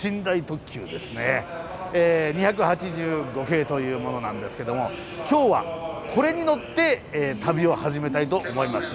２８５系というものなんですけども今日はこれに乗って旅を始めたいと思います。